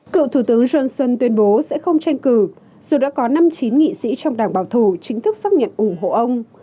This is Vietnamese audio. cựu thủ tướng johnson tuyên bố sẽ không tranh cử dù đã có năm mươi chín nghị sĩ trong đảng bảo thủ chính thức xác nhận ủng hộ ông